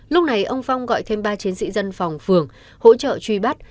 lúc này ông phong gọi thêm ba chiến sĩ dân phòng phường hỗ trợ truy bắt